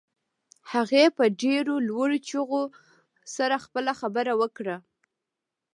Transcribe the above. هغې په ډېرو لوړو چيغو سره خپله خبره وکړه.